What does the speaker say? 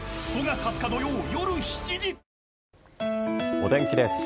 お天気です。